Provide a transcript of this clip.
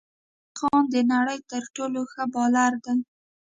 راشد خان د نړی تر ټولو ښه بالر دی